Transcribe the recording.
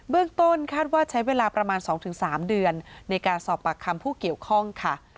ต้นคาดว่าใช้เวลาประมาณ๒๓เดือนในการสอบปากคำผู้เกี่ยวข้องค่ะ